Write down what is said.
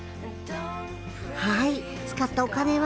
はい使ったお金は。